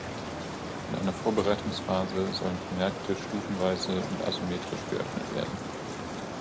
In einer Vorbereitungsphase sollen die Märkte stufenweise und asymmetrisch geöffnet werden.